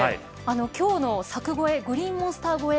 今日の柵越えグリーンモンスター越え